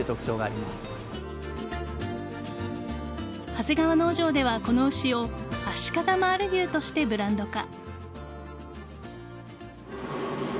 長谷川農場ではこの牛を足利マール牛としてブランド化。